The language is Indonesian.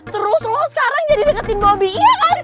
terus lo sekarang jadi deketin bobby iya kan